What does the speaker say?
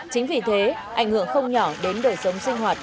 chính vì thế ảnh hưởng không nhỏ đến đời sống sinh hoạt